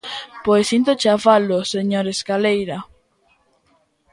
Pois sinto chafalo, señor Escaleira.